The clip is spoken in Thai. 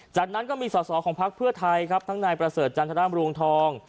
จากนั้นก็มีสอสอของพักเพื่อไทยครับทั้งนายประเสริฐจันทรัมรวงทอง